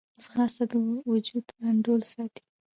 ځغاسته د وجود انډول ساتي